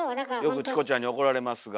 よくチコちゃんに怒られますが。